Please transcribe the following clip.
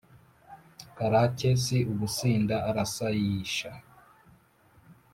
karake si ugusinda arasayisha